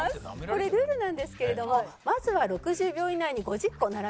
これルールなんですけれどもまずは６０秒以内に５０個並べます。